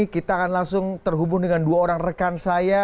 kita akan langsung terhubung dengan dua orang rekan saya